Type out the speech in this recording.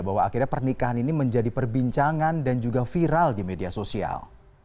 bahwa akhirnya pernikahan ini menjadi perbincangan dan juga viral di media sosial